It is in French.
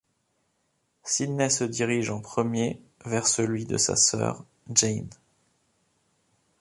Sydney se dirige en premier vers celui de sa sœur, Jane.